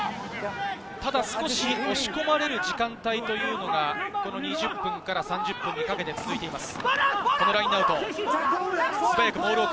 ただ少し押し込まれる時間帯というのが２０分から３０分にかけて続いています。